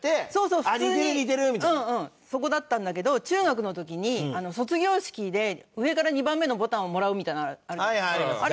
そこだったんだけど中学の時に卒業式で上から２番目のボタンをもらうみたいなのあるじゃないですか。